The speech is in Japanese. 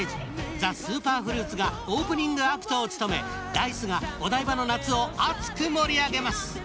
ＴＨＥＳＵＰＥＲＦＲＵＩＴがオープニングアクトを務めＤａ‐ｉＣＥがお台場の夏を熱く盛り上げます。